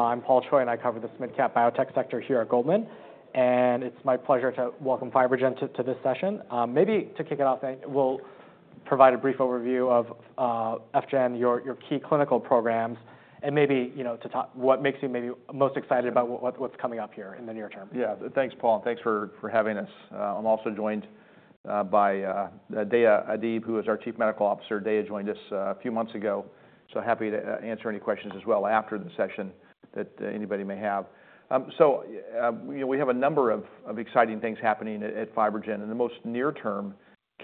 I'm Paul Choi, and I cover this mid-cap biotech sector here at Goldman, and it's my pleasure to welcome FibroGen to this session. Maybe to kick it off, I think we'll provide a brief overview of FGEN, your key clinical programs, and maybe, you know, to talk what makes you maybe most excited about what's coming up here in the near term. Yeah. Thanks, Paul. Thanks for having us. I'm also joined by Deyaa Adib, who is our Chief Medical Officer. Deyaa joined us a few months ago, so happy to answer any questions as well after the session that anybody may have. So, we have a number of exciting things happening at FibroGen, and the most near-term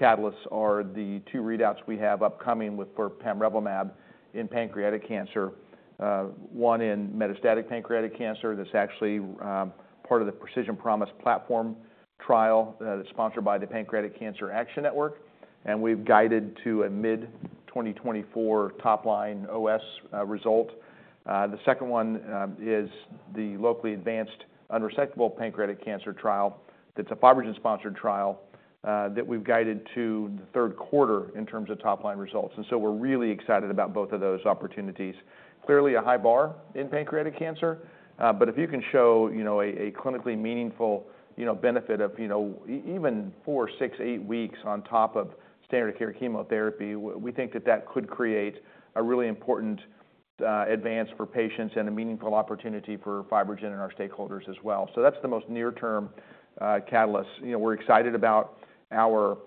catalysts are the two readouts we have upcoming with for pamrevlumab in pancreatic cancer. One in metastatic pancreatic cancer, that's actually part of the Precision Promise Platform trial, that's sponsored by the Pancreatic Cancer Action Network, and we've guided to a mid-2024 top line OS result. The second one is the locally advanced unresectable pancreatic cancer trial. That's a FibroGen-sponsored trial, that we've guided to the third quarter in terms of top line results. We're really excited about both of those opportunities. Clearly, a high bar in pancreatic cancer, but if you can show, you know, a clinically meaningful, you know, benefit of, you know, even 4, 6, 8 weeks on top of standard of care chemotherapy, we think that that could create a really important, advance for patients and a meaningful opportunity for FibroGen and our stakeholders as well. So that's the most near-term, catalyst. You know, we're excited about our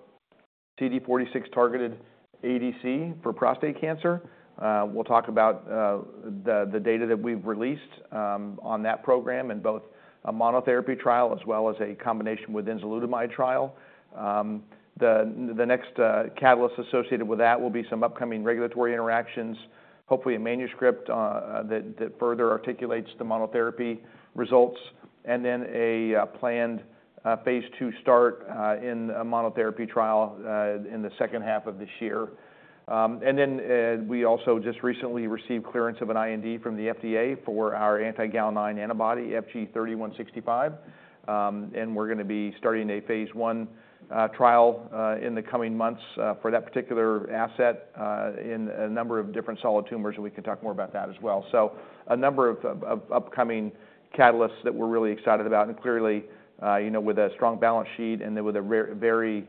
CD46-targeted ADC for prostate cancer. We'll talk about the data that we've released, on that program in both a monotherapy trial as well as a combination with enzalutamide trial. The next catalyst associated with that will be some upcoming regulatory interactions, hopefully a manuscript that further articulates the monotherapy results, and then a planned phase 2 start in a monotherapy trial in the second half of this year. And then we also just recently received clearance of an IND from the FDA for our anti-Gal9 antibody, FG-3165. And we're gonna be starting a phase 1 trial in the coming months for that particular asset in a number of different solid tumors, and we can talk more about that as well. So a number of upcoming catalysts that we're really excited about, and clearly, you know, with a strong balance sheet and then with a very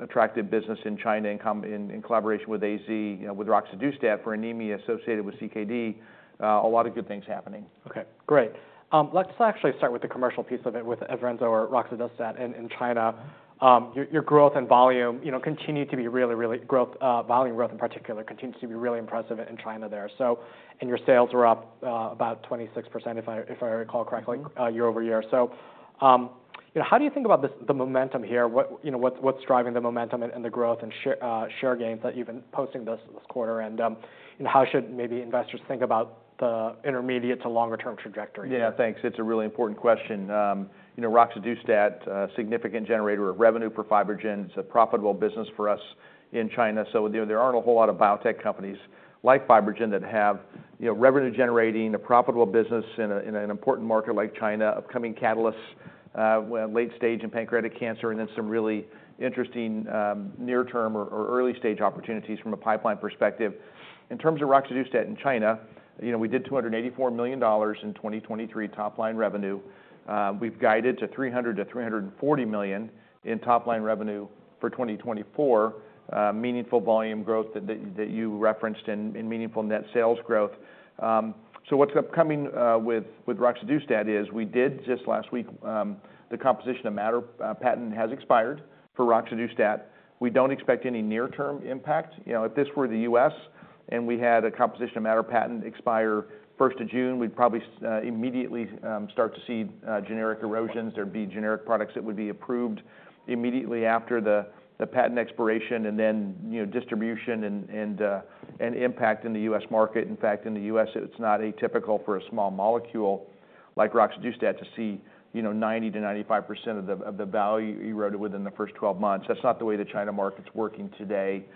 attractive business in China, in collaboration with AZ, you know, with roxadustat for anemia associated with CKD, a lot of good things happening. Okay, great. Let's actually start with the commercial piece of it, with EVRENZO or roxadustat in China. Your growth and volume, you know, continue to be really, really... growth, volume growth, in particular, continues to be really impressive in China there. So- and your sales were up about 26%, if I recall correctly- Mm-hmm... year over year. So, you know, how do you think about this, the momentum here? What, you know, what's driving the momentum and the growth and share gains that you've been posting this quarter? And how should maybe investors think about the intermediate to longer term trajectory? Yeah, thanks. It's a really important question. You know, roxadustat, a significant generator of revenue for FibroGen. It's a profitable business for us in China. So, you know, there aren't a whole lot of biotech companies like FibroGen that have, you know, revenue-generating, a profitable business in an important market like China, upcoming catalysts, late stage in pancreatic cancer, and then some really interesting, near-term or early-stage opportunities from a pipeline perspective. In terms of roxadustat in China, you know, we did $284 million in 2023 top line revenue. We've guided to $300 million-$340 million in top line revenue for 2024, meaningful volume growth that you referenced and meaningful net sales growth. So what's upcoming with roxadustat is, we did just last week, the composition of matter patent has expired for roxadustat. We don't expect any near-term impact. You know, if this were the U.S., and we had a composition of matter patent expire first of June, we'd probably immediately start to see generic erosions. There'd be generic products that would be approved immediately after the patent expiration, and then, you know, distribution and impact in the U.S. market. In fact, in the U.S., it's not atypical for a small molecule like roxadustat to see, you know, 90%-95% of the value eroded within the first 12 months. That's not the way the China market's working today.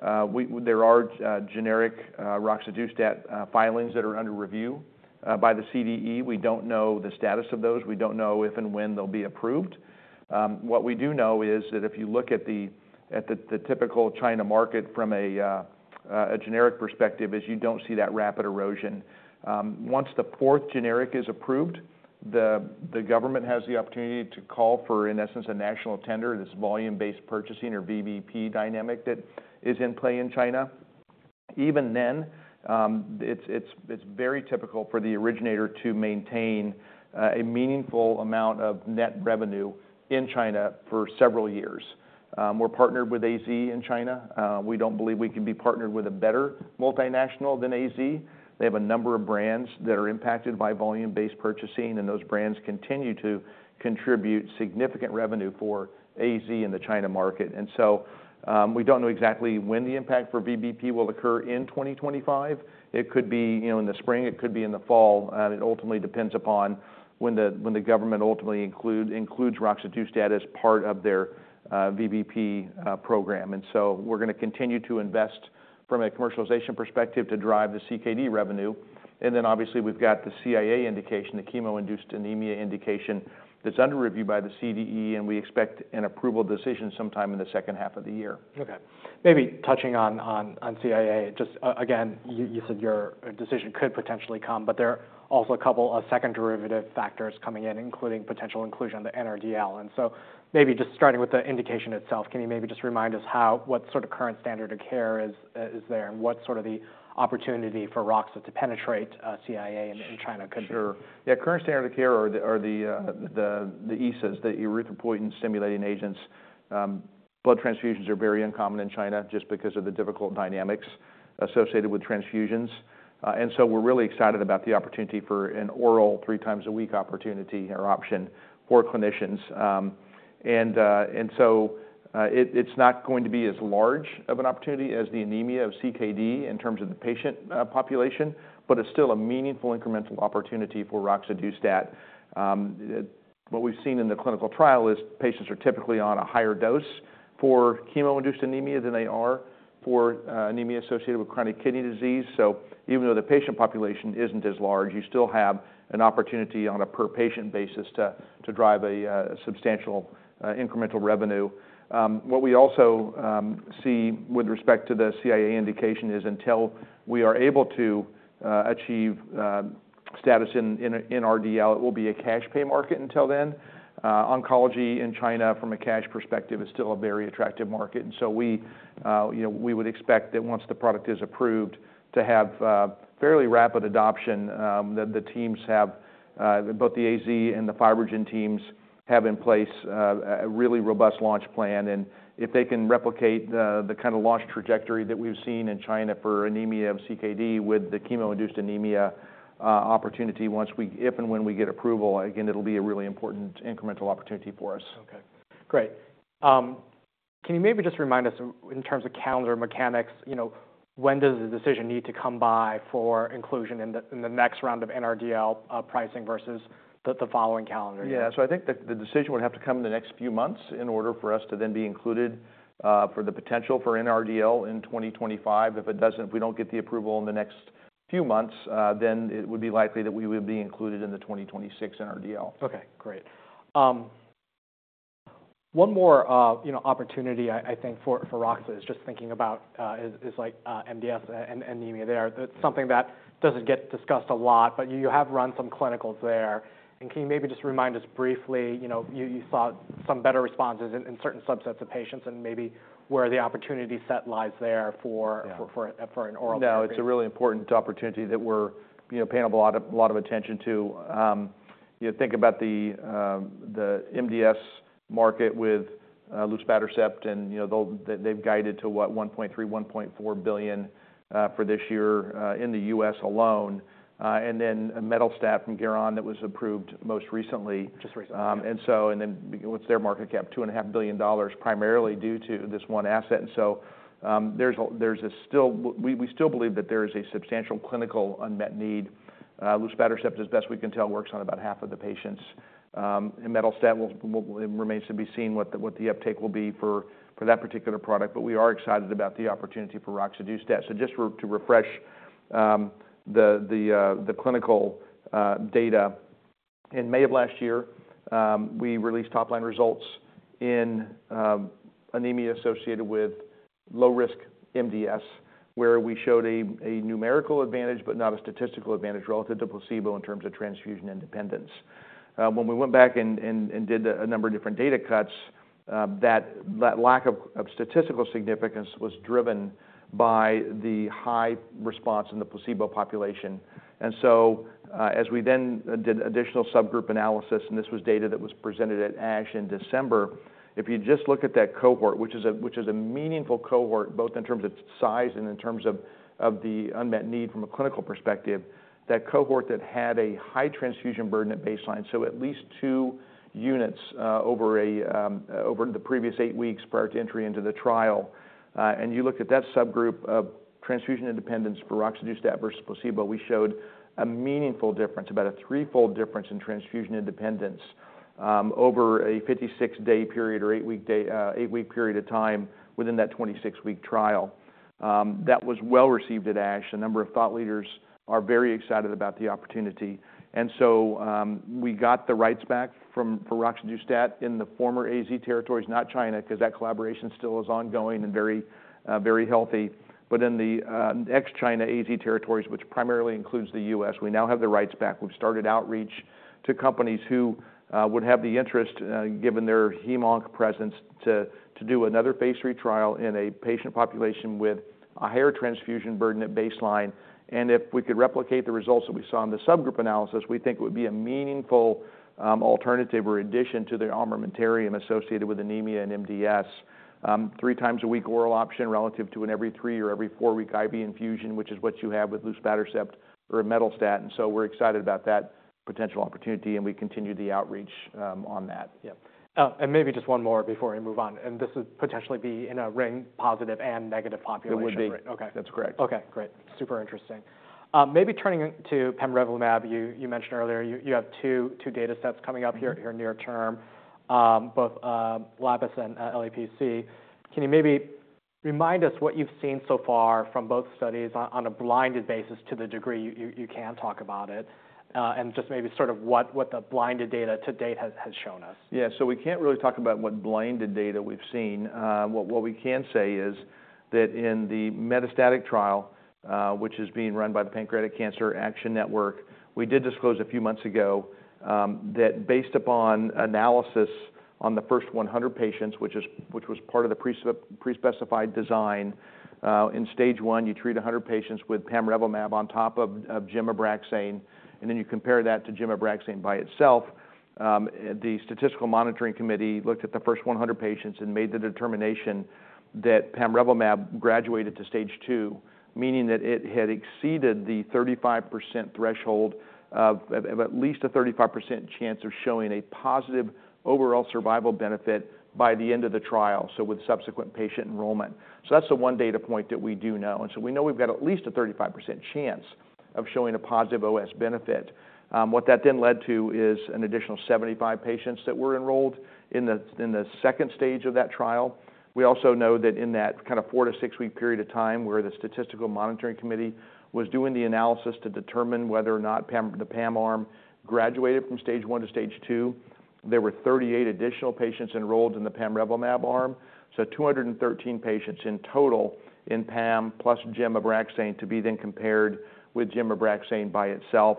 There are generic roxadustat filings that are under review by the CDE. We don't know the status of those. We don't know if and when they'll be approved. What we do know is that if you look at the typical China market from a generic perspective, is you don't see that rapid erosion. Once the first generic is approved, the government has the opportunity to call for, in essence, a national tender, this volume-based purchasing or VBP dynamic that is in play in China. Even then, it's very typical for the originator to maintain a meaningful amount of net revenue in China for several years. We're partnered with AZ in China. We don't believe we can be partnered with a better multinational than AZ. They have a number of brands that are impacted by volume-based purchasing, and those brands continue to contribute significant revenue for AZ in the China market. And so, we don't know exactly when the impact for VBP will occur in 2025. It could be, you know, in the spring, it could be in the fall, and it ultimately depends upon when the, when the government ultimately includes roxadustat as part of their, VBP, program. And so we're gonna continue to invest from a commercialization perspective to drive the CKD revenue. And then obviously, we've got the CIA indication, the chemo-induced anemia indication, that's under review by the CDE, and we expect an approval decision sometime in the second half of the year. Okay. Maybe touching on CIA, just again, you said your decision could potentially come, but there are also a couple of second derivative factors coming in, including potential inclusion on the NRDL. And so maybe just starting with the indication itself, can you maybe just remind us how what sort of current standard of care is there? And what's sort of the opportunity for Roxa to penetrate CIA in China? Sure. Yeah, current standard of care are the ESAs, the erythropoiesis-stimulating agents. Blood transfusions are very uncommon in China just because of the difficult dynamics associated with transfusions. And so we're really excited about the opportunity for an oral 3 times a week opportunity or option for clinicians. And so it's not going to be as large of an opportunity as the anemia of CKD in terms of the patient population, but it's still a meaningful incremental opportunity for roxadustat. What we've seen in the clinical trial is patients are typically on a higher dose for chemo-induced anemia than they are for anemia associated with chronic kidney disease. So even though the patient population isn't as large, you still have an opportunity on a per-patient basis to drive a substantial incremental revenue. What we also see with respect to the CIA indication is until we are able to achieve status in RDL, it will be a cash pay market until then. Oncology in China, from a cash perspective, is still a very attractive market. And so we, you know, we would expect that once the product is approved, to have fairly rapid adoption that the teams have, both the AZ and the FibroGen teams have in place, a really robust launch plan. And if they can replicate the kind of launch trajectory that we've seen in China for anemia of CKD with the chemo-induced anemia opportunity, once we, if and when we get approval, again, it'll be a really important incremental opportunity for us. Okay, great. Can you maybe just remind us in terms of calendar mechanics, you know, when does the decision need to come by for inclusion in the next round of NRDL pricing versus the following calendar year? Yeah, so I think that the decision would have to come in the next few months in order for us to then be included for the potential for NRDL in 2025. If it doesn't, if we don't get the approval in the next few months, then it would be likely that we would be included in the 2026 NRDL. Okay, great. One more, you know, opportunity, I think for Roxa, is just thinking about, like, MDS and anemia there. That's something that doesn't get discussed a lot, but you have run some clinicals there. And can you maybe just remind us briefly, you know, you saw some better responses in certain subsets of patients and maybe where the opportunity set lies there for- Yeah... for an oral? No, it's a really important opportunity that we're, you know, paying a lot of attention to. You think about the MDS market with luspatercept, and, you know, they've guided to what? $1.3 billion-$1.4 billion for this year in the US alone. And then imetelstat from Geron that was approved most recently. Just recently. And so, and then what's their market cap? $2.5 billion, primarily due to this one asset. And so, there is still—we still believe that there is a substantial clinical unmet need. Luspatercept, as best we can tell, works on about half of the patients. And imetelstat will—it remains to be seen what the uptake will be for that particular product, but we are excited about the opportunity for roxadustat. So just to refresh, the clinical data. In May of last year, we released top-line results in anemia associated with low-risk MDS, where we showed a numerical advantage, but not a statistical advantage relative to placebo in terms of transfusion independence. When we went back and did a number of different data cuts, that lack of statistical significance was driven by the high response in the placebo population. And so, as we then did additional subgroup analysis, and this was data that was presented at ASH in December, if you just look at that cohort, which is a meaningful cohort, both in terms of size and in terms of the unmet need from a clinical perspective, that cohort that had a high transfusion burden at baseline, so at least two units over the previous eight weeks prior to entry into the trial. You look at that subgroup of transfusion independence for roxadustat versus placebo, we showed a meaningful difference, about a threefold difference in transfusion independence, over a 56-day period or eight-week period of time within that 26-week trial. That was well-received at ASH. A number of thought leaders are very excited about the opportunity. So, we got the rights back from, for roxadustat in the former AZ territories, not China, because that collaboration still is ongoing and very, very healthy. But in the ex-China AZ territories, which primarily includes the U.S., we now have the rights back. We've started outreach to companies who would have the interest, given their hemonc presence, to do another phase 3 trial in a patient population with a higher transfusion burden at baseline. If we could replicate the results that we saw in the subgroup analysis, we think it would be a meaningful alternative or addition to the armamentarium associated with anemia and MDS. Three times a week oral option relative to an every three or every four-week IV infusion, which is what you have with luspatercept or imetelstat. So we're excited about that potential opportunity, and we continue the outreach on that. Yeah. And maybe just one more before I move on, and this would potentially be in a ring positive and negative population. It would be. Okay. That's correct. Okay, great. Super interesting. Maybe turning to pembrolizumab, you mentioned earlier you have two data sets coming up here- Mm-hmm... in near term, both LAPIS and LAPC. Can you maybe remind us what you've seen so far from both studies on a blinded basis to the degree you can talk about it, and just maybe sort of what the blinded data to date has shown us. Yeah. So we can't really talk about what blinded data we've seen. What we can say is that in the metastatic trial, which is being run by the Pancreatic Cancer Action Network, we did disclose a few months ago that based upon analysis on the first 100 patients, which was part of the prespecified design, in stage one, you treat 100 patients with pamrevlumab on top of gem/Abraxane, and then you compare that to gem/Abraxane by itself. The statistical monitoring committee looked at the first 100 patients and made the determination that pamrevlumab graduated to stage two, meaning that it had exceeded the 35% threshold of at least a 35% chance of showing a positive overall survival benefit by the end of the trial, so with subsequent patient enrollment. So that's the one data point that we do know, and so we know we've got at least a 35% chance of showing a positive OS benefit. What that then led to is an additional 75 patients that were enrolled in the second stage of that trial. We also know that in that kind of 4-6-week period of time, where the statistical monitoring committee was doing the analysis to determine whether or not the pamrevlumab arm graduated from stage one to stage two, there were 38 additional patients enrolled in the pamrevlumab arm, so 213 patients in total in pamrevlumab, plus gem/Abraxane to be then compared with gem/Abraxane by itself.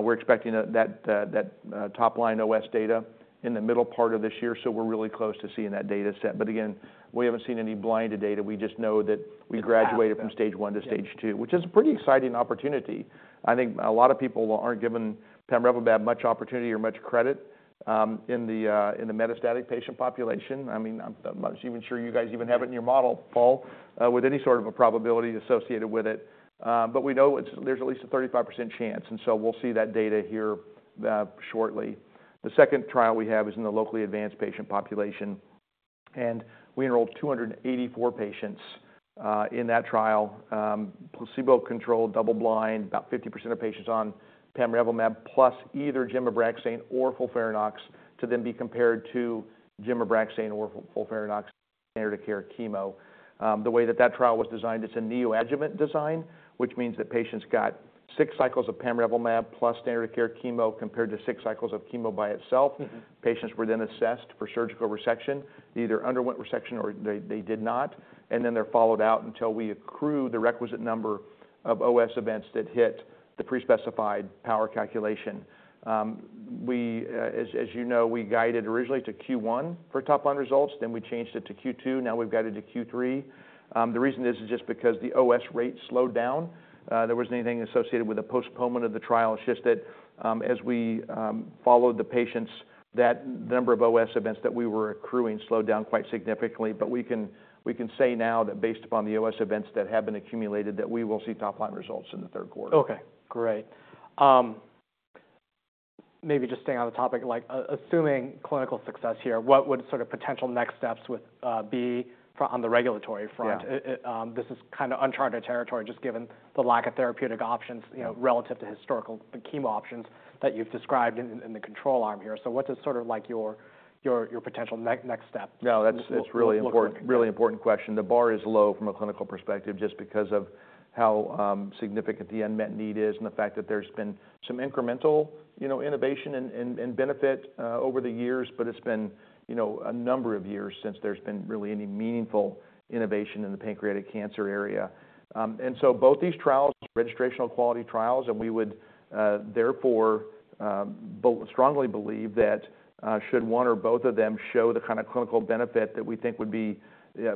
We're expecting that top-line OS data in the middle part of this year, so we're really close to seeing that data set. But again, we haven't seen any blinded data. We just know that we graduated- The path... from stage one to stage two, which is a pretty exciting opportunity. I think a lot of people aren't giving pamrevlumab much opportunity or much credit in the metastatic patient population. I mean, I'm not even sure you guys even have it in your model, Paul, with any sort of a probability associated with it. But we know it's... there's at least a 35% chance, and so we'll see that data here shortly. The second trial we have is in the locally advanced patient population, and we enrolled 284 patients in that trial. Placebo-controlled, double blind, about 50% of patients on pamrevlumab, plus either gem/Abraxane or FOLFIRINOX, to then be compared to gem/Abraxane or FOLFIRINOX standard of care chemo. The way that that trial was designed, it's a neoadjuvant design, which means that patients got six cycles of pamrevlumab plus standard of care chemo, compared to six cycles of chemo by itself. Mm-hmm. Patients were then assessed for surgical resection, either underwent resection or they did not, and then they're followed out until we accrue the requisite number of OS events that hit the prespecified power calculation. As you know, we guided originally to Q1 for top-line results, then we changed it to Q2, now we've guided to Q3. The reason is just because the OS rate slowed down, there wasn't anything associated with the postponement of the trial. It's just that, as we followed the patients, that number of OS events that we were accruing slowed down quite significantly. But we can say now that based upon the OS events that have been accumulated, that we will see top-line results in the third quarter. Okay, great. Maybe just staying on the topic, like, assuming clinical success here, what would sort of potential next steps be for on the regulatory front? Yeah. This is kind of uncharted territory, just given the lack of therapeutic options- Yeah... you know, relative to historical, the chemo options that you've described in the control arm here. So what is sort of like your potential next step? No, that's- It looks like-... It's really important, really important question. The bar is low from a clinical perspective, just because of how significant the unmet need is and the fact that there's been some incremental, you know, innovation and benefit over the years. But it's been, you know, a number of years since there's been really any meaningful innovation in the pancreatic cancer area. And so both these trials, registrational quality trials, and we would therefore strongly believe that should one or both of them show the kind of clinical benefit that we think would be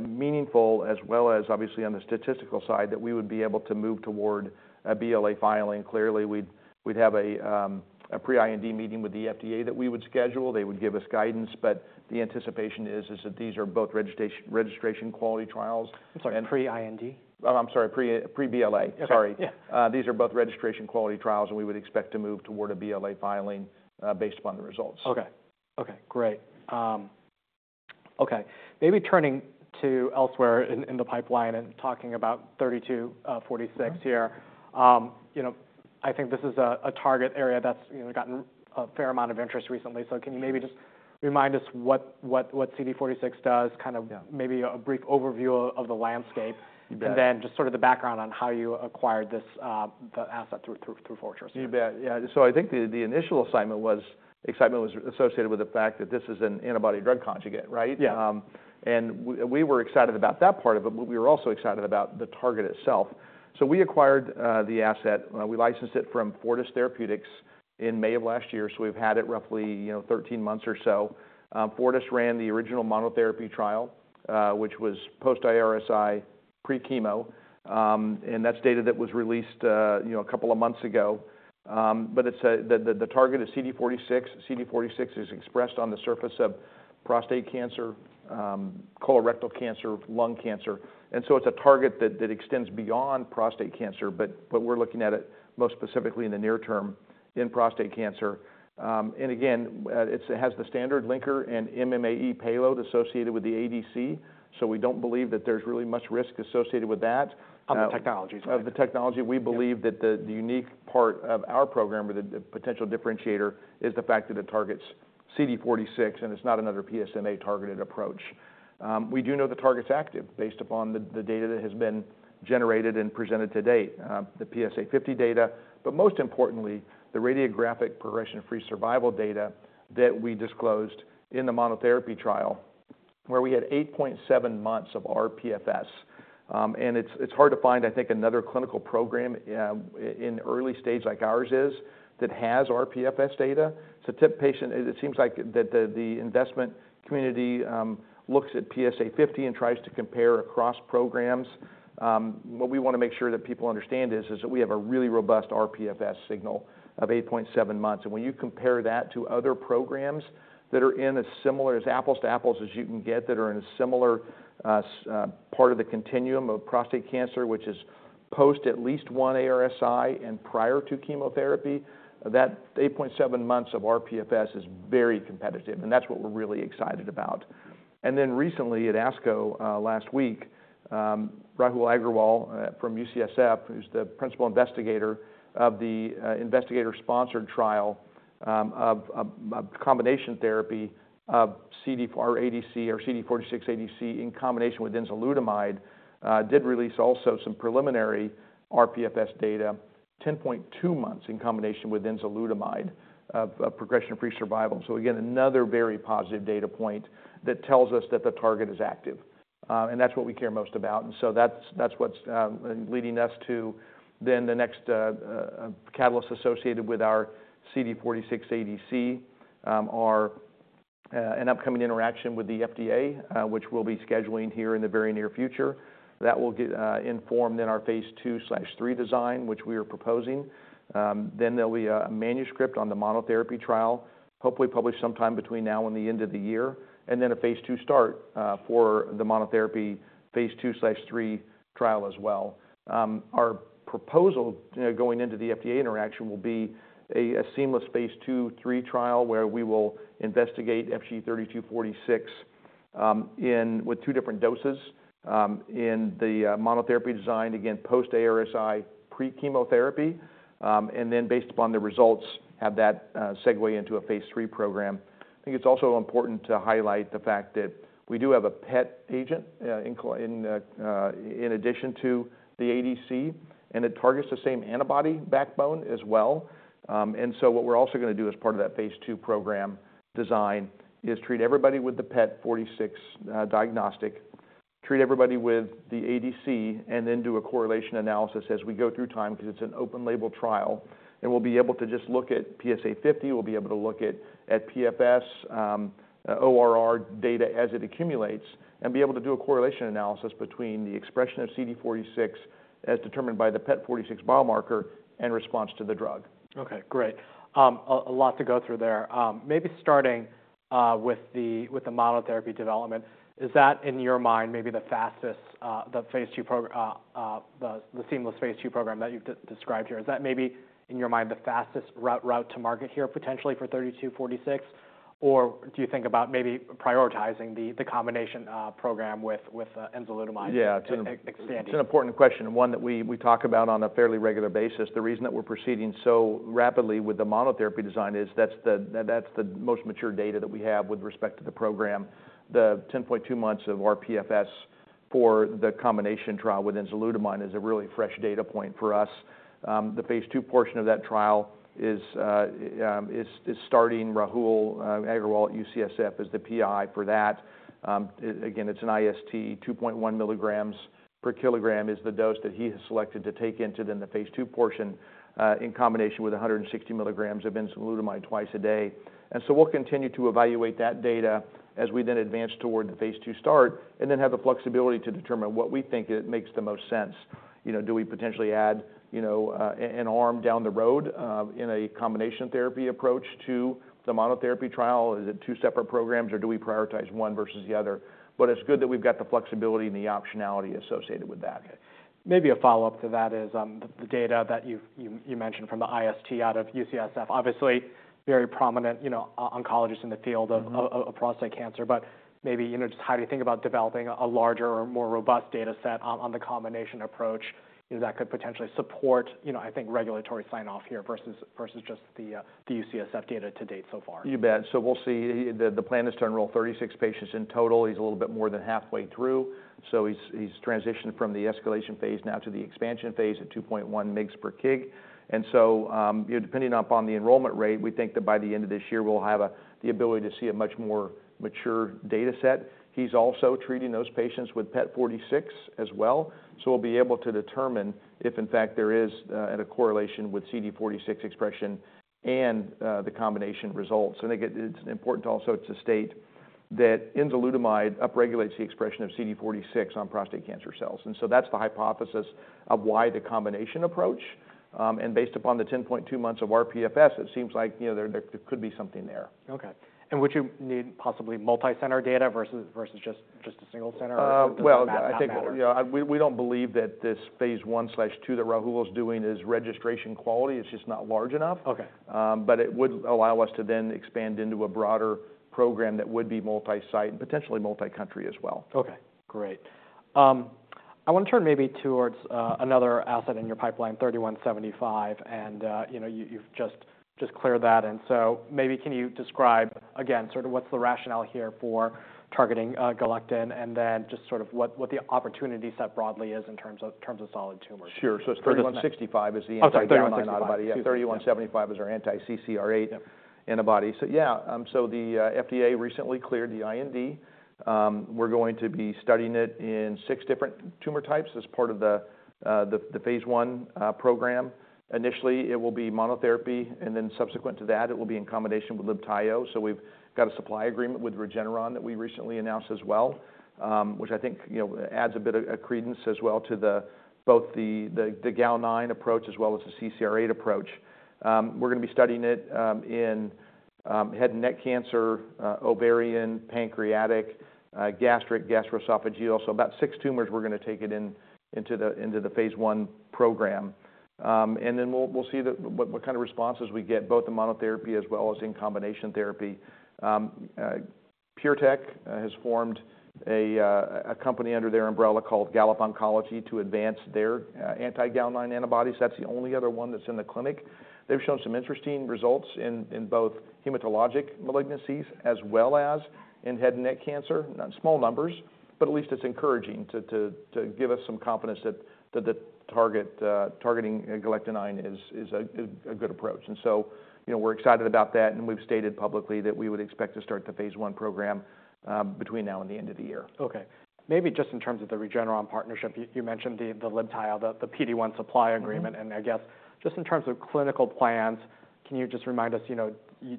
meaningful, as well as obviously on the statistical side, that we would be able to move toward a BLA filing. Clearly, we'd have a pre-IND meeting with the FDA that we would schedule. They would give us guidance, but the anticipation is, is that these are both registration-registration quality trials. And- I'm sorry, pre-IND? I'm sorry, pre-BLA. Okay. Sorry. Yeah. These are both registration quality trials, and we would expect to move toward a BLA filing, based upon the results. Okay. Okay, great. Okay, maybe turning to elsewhere in the pipeline and talking about FG-3246 here. Mm-hmm. You know, I think this is a target area that's, you know, gotten a fair amount of interest recently. Yeah. So can you maybe just remind us what CD46 does? Kind of- Yeah... maybe a brief overview of the landscape. You bet. And then, just sort of the background on how you acquired this, the asset through Fortis. You bet, yeah. So I think the initial excitement was associated with the fact that this is an antibody-drug conjugate, right? Yeah. And we were excited about that part of it, but we were also excited about the target itself. So we acquired the asset. We licensed it from Fortis Therapeutics in May of last year, so we've had it roughly, you know, 13 months or so. Fortis ran the original monotherapy trial, which was post ARSI, pre-chemo, and that's data that was released, you know, a couple of months ago. But it's a... The target is CD46. CD46 is expressed on the surface of prostate cancer, colorectal cancer, lung cancer, and so it's a target that extends beyond prostate cancer, but we're looking at it most specifically in the near term, in prostate cancer. And again, it has the standard linker and MMAE payload associated with the ADC, so we don't believe that there's really much risk associated with that. Of the technologies. Of the technology. Yeah. We believe that the unique part of our program or the potential differentiator is the fact that it targets CD46, and it's not another PSMA-targeted approach. We do know the target's active based upon the data that has been generated and presented to date, the PSA 50 data, but most importantly, the radiographic progression-free survival data that we disclosed in the monotherapy trial, where we had 8.7 months of RPFS. And it's hard to find, I think, another clinical program in early stage like ours is, that has RPFS data. So it seems like that the investment community looks at PSA 50 and tries to compare across programs. What we wanna make sure that people understand is that we have a really robust RPFS signal of 8.7 months. When you compare that to other programs that are in as similar as apples to apples as you can get, that are in a similar part of the continuum of prostate cancer, which is post at least one ARSI and prior to chemotherapy, that 8.7 months of rPFS is very competitive, and that's what we're really excited about. Then recently at ASCO last week, Rahul Aggarwal from UCSF, who's the principal investigator of the investigator-sponsored trial of a combination therapy of CD46 ADC in combination with enzalutamide, did release also some preliminary rPFS data, 10.2 months in combination with enzalutamide, of progression-free survival. So again, another very positive data point that tells us that the target is active, and that's what we care most about. That's what's leading us to the next catalyst associated with our CD46 ADC: an upcoming interaction with the FDA, which we'll be scheduling here in the very near future. That will get informed in our phase 2/3 design, which we are proposing. Then there'll be a manuscript on the monotherapy trial, hopefully published sometime between now and the end of the year, and then a phase 2 start for the monotherapy phase 2/3 trial as well. Our proposal, you know, going into the FDA interaction will be a seamless phase 2/3 trial, where we will investigate FG-3246 with two different doses in the monotherapy design, again, post ARSI, pre-chemotherapy. And then based upon the results, have that segue into a phase 3 program. I think it's also important to highlight the fact that we do have a PET agent in addition to the ADC, and it targets the same antibody backbone as well. And so what we're also gonna do as part of that phase 2 program design is treat everybody with the PET 46 diagnostic, treat everybody with the ADC, and then do a correlation analysis as we go through time, because it's an open label trial, and we'll be able to just look at PSA 50, we'll be able to look at PFS, ORR data as it accumulates, and be able to do a correlation analysis between the expression of CD46, as determined by the PET 46 biomarker, and response to the drug. Okay, great. A lot to go through there. Maybe starting with the monotherapy development, is that, in your mind, maybe the fastest, the seamless phase 2 program that you've described here, is that maybe, in your mind, the fastest route to market here, potentially for FG-3246? Or do you think about maybe prioritizing the combination program with enzalutamide- Yeah. -e- expanding? It's an important question, and one that we, we talk about on a fairly regular basis. The reason that we're proceeding so rapidly with the monotherapy design is that's the, that's the most mature data that we have with respect to the program. The 10.2 months of rPFS for the combination trial with enzalutamide is a really fresh data point for us. The phase 2 portion of that trial is starting. Rahul Aggarwal at UCSF is the PI for that. Again, it's an IST, 2.1 milligrams per kilogram is the dose that he has selected to take into then the phase 2 portion in combination with 160 milligrams of enzalutamide twice a day. And so we'll continue to evaluate that data as we then advance toward the phase 2 start, and then have the flexibility to determine what we think it makes the most sense. You know, do we potentially add, you know, an arm down the road, in a combination therapy approach to the monotherapy trial? Is it 2 separate programs, or do we prioritize 1 versus the other? But it's good that we've got the flexibility and the optionality associated with that. Maybe a follow-up to that is, the data that you've mentioned from the IST out of UCSF, obviously very prominent, you know, oncologists in the field- Mm-hmm... of prostate cancer, but maybe, you know, just how do you think about developing a larger or more robust data set on the combination approach, you know, that could potentially support, you know, I think, regulatory sign-off here versus just the UCSF data to date so far? You bet. So we'll see. The plan is to enroll 36 patients in total. He's a little bit more than halfway through, so he's transitioned from the escalation phase now to the expansion phase at 2.1 mg/kg. And so, you know, depending upon the enrollment rate, we think that by the end of this year, we'll have the ability to see a much more mature data set. He's also treating those patients with PET 46 as well, so we'll be able to determine if, in fact, there is a correlation with CD46 expression and the combination results. And again, it's important also to state that enzalutamide upregulates the expression of CD46 on prostate cancer cells, and so that's the hypothesis of why the combination approach. Based upon the 10.2 months of rPFS, it seems like, you know, there could be something there. Okay. And would you need possibly multi-center data versus just a single center? Uh, well- Or does that not matter?... I think, yeah, we don't believe that this phase 1/2 that Rahul is doing is registration quality. It's just not large enough. Okay. But it would allow us to then expand into a broader program that would be multi-site and potentially multi-country as well. Okay, great. I want to turn maybe towards another asset in your pipeline, FG-3175, and you know, you've just cleared that. And so maybe can you describe again, sort of what's the rationale here for targeting galectin? And then just sort of what the opportunity set broadly is in terms of solid tumors. Sure. So it's 3165 is the anti-galectin antibody. Thirty-one seventy-five. Yeah, 3175 is our anti-CCR8 antibody. So yeah, so the FDA recently cleared the IND. We're going to be studying it in 6 different tumor types as part of the phase 1 program. Initially, it will be monotherapy, and then subsequent to that, it will be in combination with Libtayo. So we've got a supply agreement with Regeneron that we recently announced as well, which I think, you know, adds a bit of credence as well to both the Gal-9 approach as well as the CCR8 approach. We're gonna be studying it in head and neck cancer, ovarian, pancreatic, gastric, gastroesophageal. So about 6 tumors we're gonna take it into the phase 1 program. And then we'll see the... What kind of responses we get, both the monotherapy as well as in combination therapy. PureTech has formed a company under their umbrella called Gallop Oncology, to advance their anti-Gal9 antibodies. That's the only other one that's in the clinic. They've shown some interesting results in both hematologic malignancies as well as in head and neck cancer. Small numbers, but at least it's encouraging to give us some confidence that the target targeting galectin-9 is a good approach. And so, you know, we're excited about that, and we've stated publicly that we would expect to start the phase one program between now and the end of the year. Okay. Maybe just in terms of the Regeneron partnership, you mentioned the Libtayo, the PD-1 supply agreement. Mm-hmm. I guess just in terms of clinical plans, can you just remind us, you know,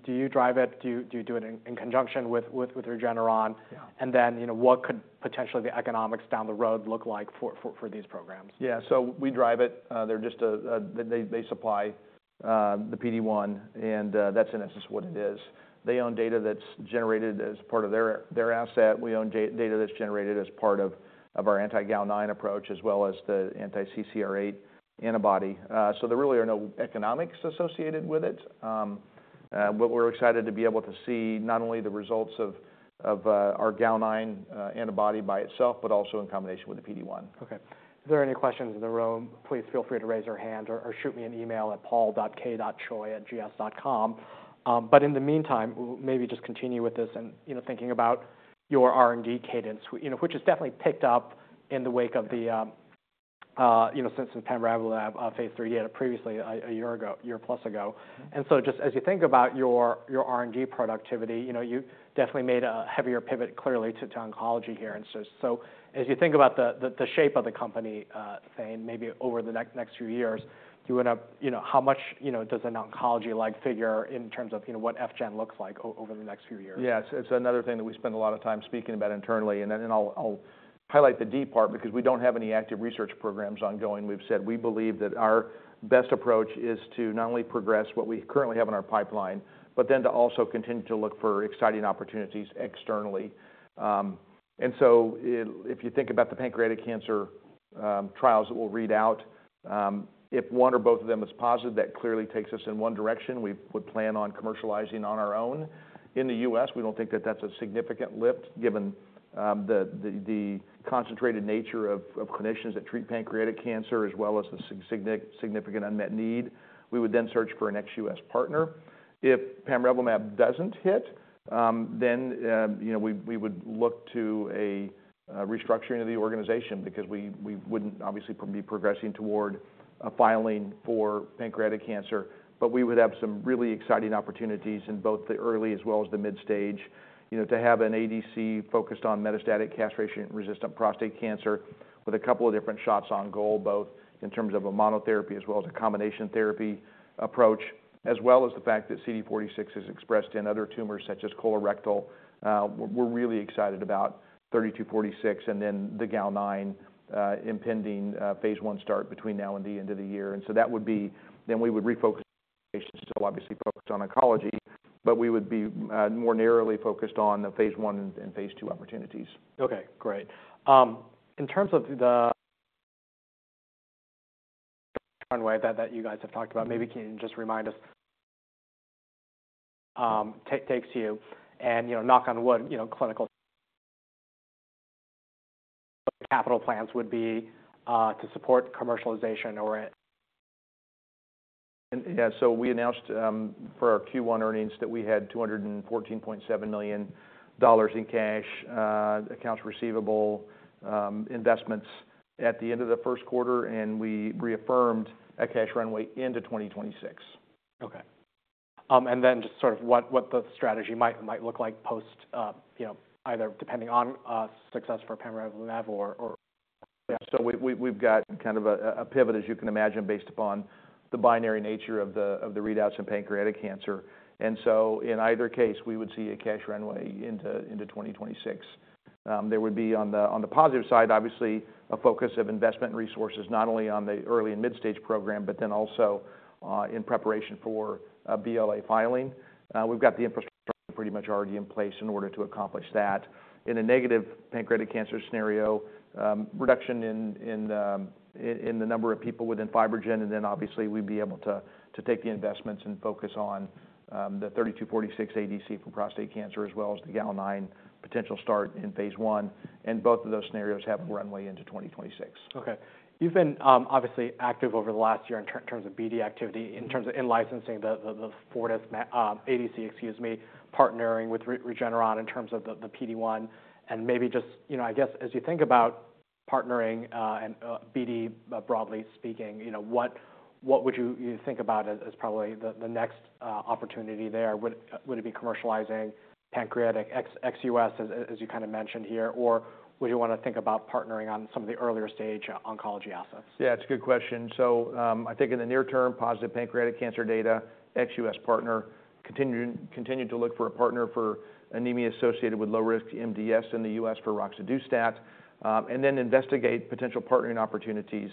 do you drive it? Do you do it in conjunction with Regeneron? Yeah. Then, you know, what could potentially the economics down the road look like for these programs? Yeah, so we drive it. They're just. They supply the PD-1, and that's in essence what it is. They own data that's generated as part of their asset. We own data that's generated as part of our anti-Gal9 approach, as well as the anti-CCR8 antibody. So there really are no economics associated with it. But we're excited to be able to see not only the results of our Gal9 antibody by itself, but also in combination with the PD-1. Okay. Are there any questions in the room? Please feel free to raise your hand or shoot me an email at paul.k.choi@gs.com. But in the meantime, maybe just continue with this and, you know, thinking about your R&D cadence, you know, which has definitely picked up in the wake of the, you know, since the pamrevlumab phase 3 you had previously a year ago, a year plus ago. Mm-hmm. And so just as you think about your R&D productivity, you know, you definitely made a heavier pivot, clearly, to oncology here. So as you think about the shape of the company, saying maybe over the next few years, do you end up... You know, how much, you know, does an oncology life figure in terms of, you know, what FGEN looks like over the next few years? Yes, it's another thing that we spend a lot of time speaking about internally. And then I'll highlight the R&D part because we don't have any active research programs ongoing. We've said we believe that our best approach is to not only progress what we currently have in our pipeline, but then to also continue to look for exciting opportunities externally. And so if you think about the pancreatic cancer trials that we'll read out, if one or both of them is positive, that clearly takes us in one direction. We would plan on commercializing on our own. In the U.S., we don't think that that's a significant lift, given the concentrated nature of clinicians that treat pancreatic cancer, as well as the significant unmet need. We would then search for an ex-U.S. partner. If pamrevlumab doesn't hit, then, you know, we would look to a restructuring of the organization because we wouldn't obviously be progressing toward a filing for pancreatic cancer. But we would have some really exciting opportunities in both the early as well as the mid stage, you know, to have an ADC focused on metastatic castration-resistant prostate cancer with a couple of different shots on goal, both in terms of a monotherapy as well as a combination therapy approach, as well as the fact that CD46 is expressed in other tumors, such as colorectal. We're really excited about FG-3246 and then the Gal9 impending phase 1 start between now and the end of the year. And so that would be... We would refocus, obviously, focused on oncology, but we would be more narrowly focused on the phase one and phase two opportunities. Okay, great. In terms of the runway that you guys have talked about, maybe can you just remind us, takes you and, you know, knock on wood, you know, clinical capital plans would be to support commercialization or- Yeah, so we announced for our Q1 earnings that we had $214.7 million in cash, accounts receivable, investments at the end of the first quarter, and we reaffirmed a cash runway into 2026. Okay. And then just sort of what the strategy might look like post, you know, either depending on success for Pamrevlumab or... Yeah, so we, we've got kind of a pivot, as you can imagine, based upon the binary nature of the readouts in pancreatic cancer. And so in either case, we would see a cash runway into 2026. There would be, on the positive side, obviously, a focus of investment resources, not only on the early and mid-stage program, but then also in preparation for a BLA filing. We've got the infrastructure pretty much already in place in order to accomplish that. In a negative pancreatic cancer scenario, reduction in the number of people within FibroGen, and then obviously, we'd be able to take the investments and focus on the FG-3246 ADC for prostate cancer, as well as the Gal9 potential start in phase 1, and both of those scenarios have runway into 2026. Okay. You've been obviously active over the last year in terms of BD activity, in terms of in-licensing the Fortis ADC, excuse me, partnering with Regeneron in terms of the PD-1. And maybe just, you know, I guess, as you think about partnering and BD, broadly speaking, you know, what would you think about as probably the next opportunity there? Would it be commercializing pancreatic ex-US, as you kind of mentioned here? Or would you want to think about partnering on some of the earlier stage oncology assets? Yeah, it's a good question. So, I think in the near term, positive pancreatic cancer data, ex-U.S. partner, continue to look for a partner for anemia associated with low risk MDS in the U.S. for roxadustat, and then investigate potential partnering opportunities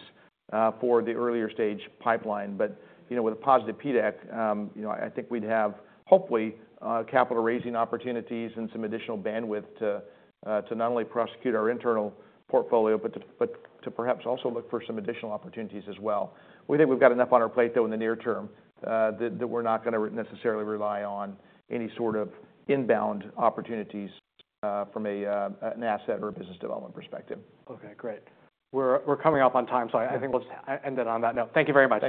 for the earlier stage pipeline. But, you know, with a positive PDAC, you know, I think we'd have, hopefully, capital raising opportunities and some additional bandwidth to not only prosecute our internal portfolio, but to perhaps also look for some additional opportunities as well. We think we've got enough on our plate, though, in the near term, that we're not gonna necessarily rely on any sort of inbound opportunities from an asset or a business development perspective. Okay, great. We're coming up on time, so I think we'll just end it on that note. Thank you very much.